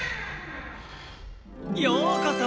ようこそ！